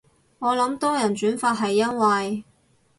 我諗多人轉發係因為